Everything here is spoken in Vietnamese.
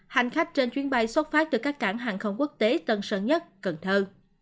hành khách trên chuyến bay xuất phát từ các cảng hàng không quốc tế tân sơn nhất cần thơ